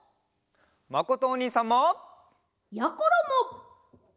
まことおにいさんも！やころも！